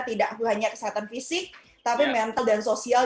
tidak hanya kesehatan fisik tapi mental dan sosial